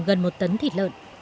gần một tấn thịt lợn